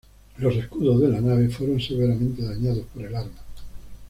Los escudos de la nave fueron severamente dañados por el arma.